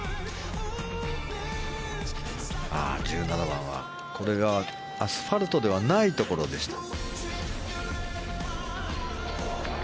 １７番は、これがアスファルトではないところでした。